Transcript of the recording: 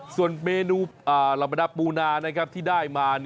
ส่วนเมนูลำบดาปูนานะครับที่ได้มา